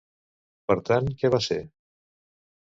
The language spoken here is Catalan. Per tant, què va ser?